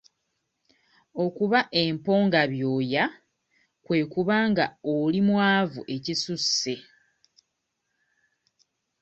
Okuba emponga byooya kwe kuba nga oli mwavu ekisusse.